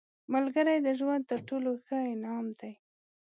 ملګری د ژوند تر ټولو ښه انعام دی